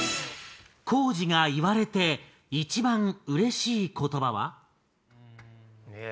光司が言われて一番嬉しい言葉は？え？